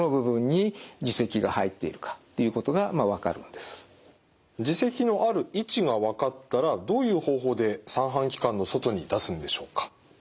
でそうすると耳石のある位置が分かったらどういう方法で三半規管の外に出すんでしょうか？